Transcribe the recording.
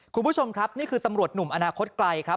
คุณผู้ชมครับนี่คือตำรวจหนุ่มอนาคตไกลครับ